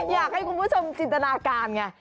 อยากให้คุณผู้ชมจินตนาการไง